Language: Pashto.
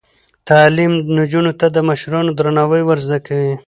تعلیم نجونو ته د مشرانو درناوی ور زده کوي.